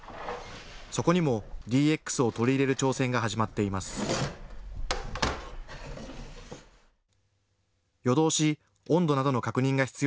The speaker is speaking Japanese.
そこにもＤＸを取り入れる挑戦が始まっています。